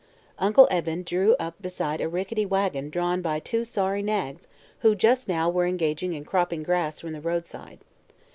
Uncle Eben drew up beside a rickety wagon drawn by two sorry nags who just now were engaged in cropping grass from the roadside.